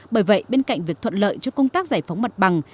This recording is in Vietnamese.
bởi vậy bên cạnh việc thuận lợi cho công tác giải phóng mặt bằng